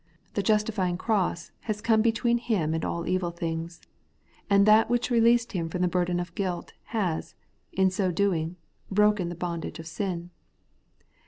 The justifying cross has come between him and all evil things; and that which released him from the burden of guilt has, in so doing, broken the bondage of sin.